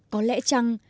có lẽ chăng